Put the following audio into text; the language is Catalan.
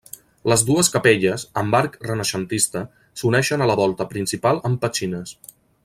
Les dues capelles, amb arc renaixentista, s'uneixen a la volta principal amb petxines.